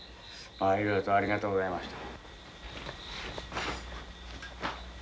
いろいろとありがとうございました。